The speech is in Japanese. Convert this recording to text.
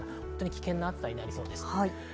危険な暑さになりそうです。